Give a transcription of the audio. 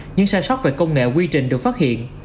những sai sót về công nghệ quy trình được phát hiện